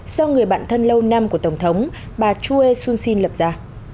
do người bạn thân lâu năm của tổng thống bà choi soon sin lập ra